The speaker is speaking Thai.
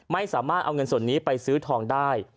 ไม่สามารถเอาเงินส่วนนี้ไปซื้อทองได้